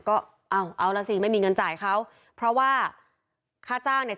ก็เอาเอาล่ะสิไม่มีเงินจ่ายเขาเพราะว่าค่าจ้างเนี่ย